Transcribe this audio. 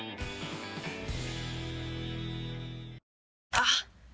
あっ！